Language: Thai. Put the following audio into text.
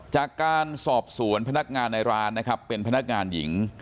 จากการสอบสวนพนักงานในร้านนะครับเป็นพนักงานหญิง